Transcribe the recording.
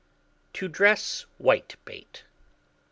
TO DRESS WHITEBAIT.